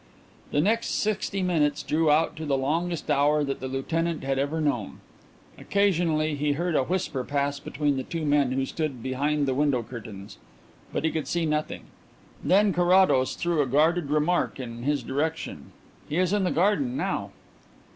The next sixty minutes drew out into the longest hour that the lieutenant had ever known. Occasionally he heard a whisper pass between the two men who stood behind the window curtains, but he could see nothing. Then Carrados threw a guarded remark in his direction. "He is in the garden now."